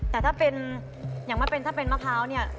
แต่ถ้าเป็นอย่างมาเป็นถ้าเป็นมะพร้าวเนี่ย